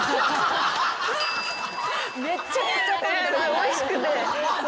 おいしくて。